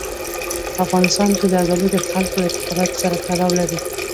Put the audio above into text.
په افغانستان کې زردالو د خلکو له اعتقاداتو سره تړاو لري.